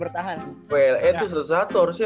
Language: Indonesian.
well itu satu ratus satu harusnya